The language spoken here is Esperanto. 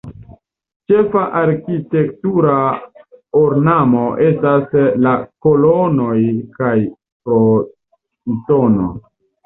Ĉefa arkitektura ornamo estas la kolonoj kaj frontono.